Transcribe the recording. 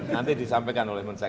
nanti disampaikan oleh monsek